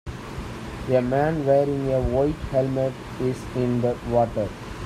A man wearing a white helmet is in the water.